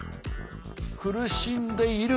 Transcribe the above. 苦しんでいる。